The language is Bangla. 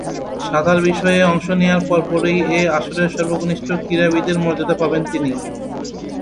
সাঁতার বিষয়ে অংশ নেয়ার পরপরই এ আসরের সর্বকনিষ্ঠ ক্রীড়াবিদের মর্যাদা পাবেন তিনি।